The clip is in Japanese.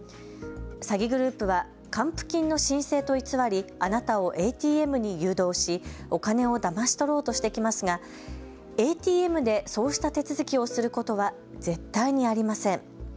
詐欺グループは還付金の申請と偽りあなたをＡＴＭに誘導し、お金をだまし取ろうとしてきますがＡＴＭでそうした手続きをすることは絶対にありません。